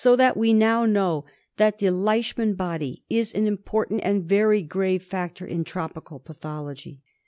that we now know that the " Leishman body" is an important and very grave factor in tropical pathology.